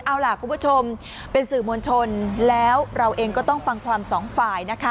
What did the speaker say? เอาล่ะคุณผู้ชมเป็นสื่อมวลชนแล้วเราเองก็ต้องฟังความสองฝ่ายนะคะ